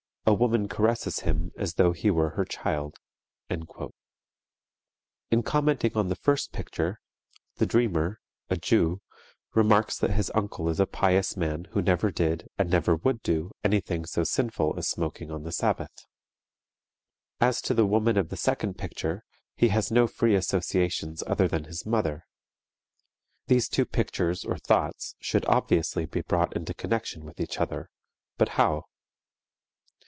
A woman caresses him as though he were her child._" In commenting on the first picture, the dreamer (a Jew) remarks that his uncle is a pious man who never did, and never would do, anything so sinful as smoking on the Sabbath. As to the woman of the second picture, he has no free associations other than his mother. These two pictures or thoughts should obviously be brought into connection with each other, but how?